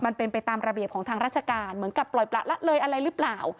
มันเป็นไปตามระเบียบของทางราชการเหมือนกับปล่อยประละเลยอะไรหรือเปล่า